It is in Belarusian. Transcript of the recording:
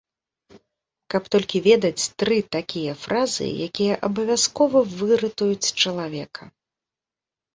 Каб толькі ведаць тры такія фразы, якія абавязкова выратуюць чалавека!